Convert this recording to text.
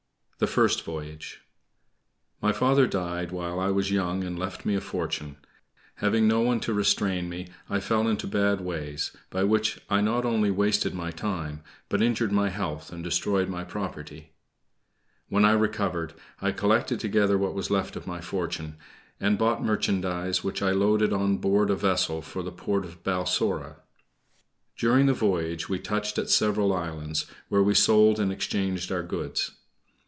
THE FIRST VOYAGE My father died while I was young and left me a fortune. Having no one to restrain me, I fell into bad ways, by which I not only wasted my time, but injured my health, and destroyed my property. When I recovered, I collected together what was left of my fortune, and bought merchandise, which I loaded on board a vessel for the port of Balsora. During the voyage we touched at several islands, where we sold or exchanged our goods.